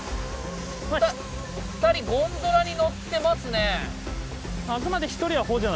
２人ゴンドラに乗ってますね。